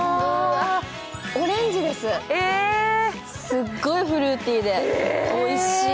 すっごいフルーティーでおいしい。